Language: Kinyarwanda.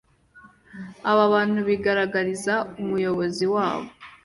Aba bantu bigaragariza umuyobozi wabo